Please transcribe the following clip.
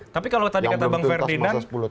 tapi kalau tadi kata bang ferdinand